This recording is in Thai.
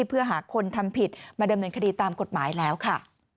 เพื่อหาคนทำผิดมาดำเนินคดีตามกฎหมายแล้วค่ะ